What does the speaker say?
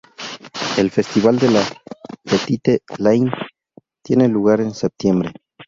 El festival de la p’tite Laine tiene lugar en septiembre.